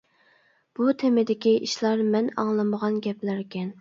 بۇ تېمىدىكى ئىشلار مەن ئاڭلىمىغان گەپلەركەن.